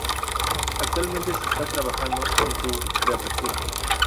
Actualmente se está trabajando en su reapertura.